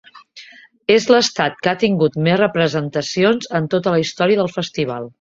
És l'Estat que ha tingut més representacions en tota la història del festival.